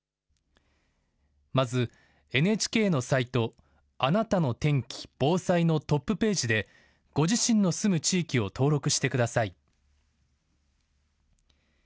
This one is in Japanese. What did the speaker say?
まず、ＮＨＫのサイトあなたの天気・防災のトップページでご自身の住む地域を登録してください。